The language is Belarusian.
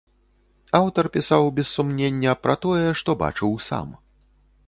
Аўтар пісаў, без сумнення, пра тое, што бачыў сам.